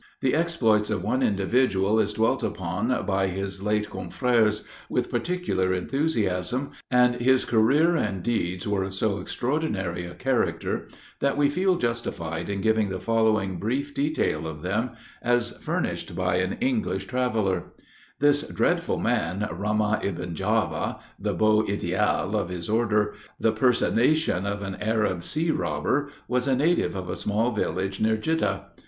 The exploits of one individual is dwelt upon by his late confreres with particular enthusiasm; and his career and deeds were of so extraordinary a character, that we feel justified in giving the following brief detail of them, as furnished by an English traveler: This dreadful man, Ramah ibn Java, the beau ideal of his order, the personation of an Arab sea robber, was a native of a small village near Jiddah.